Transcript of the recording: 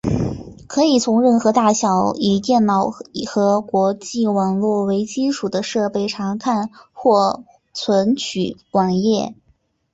可以从任何大小以电脑和网际网路为基础的设备查看或存取网页。